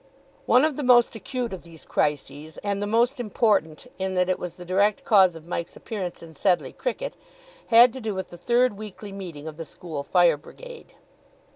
One of the most acute of these crises, and the most important, in that it was the direct cause of Mike's appearance in Sedleigh cricket, had to do with the third weekly meeting of the School Fire Brigade.